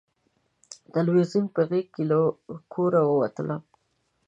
تلویزیون په غېږ له کوره ووتلم